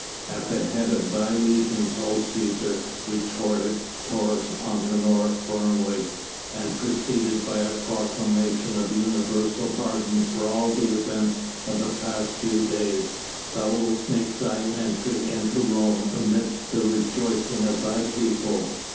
"At the head of thy legions, O Cæsar," retorted Taurus Antinor firmly, "and preceded by a proclamation of universal pardon for all the events of the past few days, thou wilt make thine entry into Rome amidst the rejoicings of thy people."